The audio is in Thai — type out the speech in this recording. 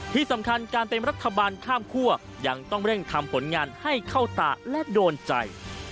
ที่สำคัญการเป็นรัฐบาลข้ามคั่วยังต้องเร่งทำผลงานให้เข้าตาและโดนใจ